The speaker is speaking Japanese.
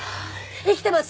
生きてます！